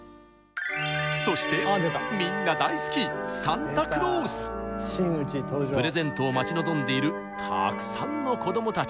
そしてみんな大好きプレゼントを待ち望んでいるたくさんの子どもたち。